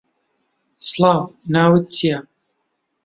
سڵاو، ناوت چییە؟